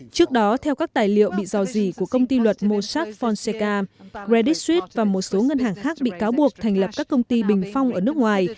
trước đó theo các tài liệu bị rò rỉ của công ty luật mossad fonseca credit suisse và một số ngân hàng khác bị cáo buộc thành lập các công ty bình phong ở nước ngoài